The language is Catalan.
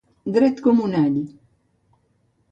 Dret com un all.